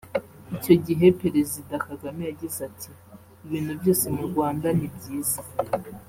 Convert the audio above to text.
Icyo gihe Perezida Kagame yagize ati “Ibintu byose mu Rwanda ni byiza